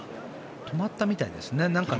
止まったみたいですね。